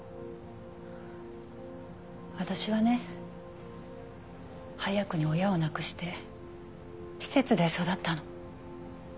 私はね早くに親を亡くして施設で育ったの。